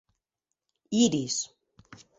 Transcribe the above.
Iris.